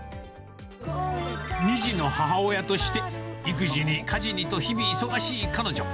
２児の母親として、育児に、家事にと、日々、忙しい彼女。